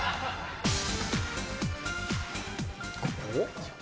ここ？